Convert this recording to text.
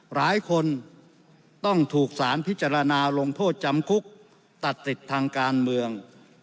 หลายคนต้องถูกสารพิจารณาลงโทษจำคุกตัดติดทางการเมือง